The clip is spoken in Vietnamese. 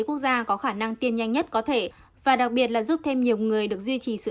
quốc gia có khả năng tiên nhanh nhất có thể và đặc biệt là giúp thêm nhiều người được duy trì sự